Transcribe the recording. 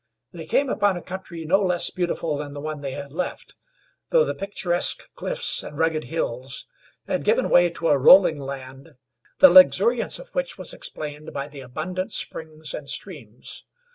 They came upon a country no less beautiful than the one they had left, though the picturesque cliffs and rugged hills had given way to a rolling land, the luxuriance of which was explained by the abundant springs and streams.